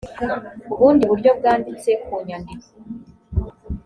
ubundi buryo bwanditse ku nyandiko